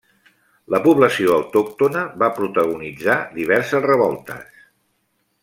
La població autòctona va protagonitzar diverses revoltes.